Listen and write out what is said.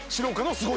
すごい！